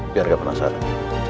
biar gak penasaran